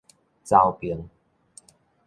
沼平